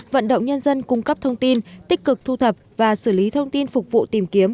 vận động nhân dân cung cấp thông tin tích cực thu thập và xử lý thông tin phục vụ tìm kiếm